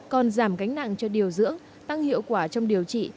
còn giảm gánh nặng cho điều dưỡng tăng hiệu quả trong điều trị